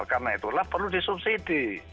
karena itulah perlu disubsidi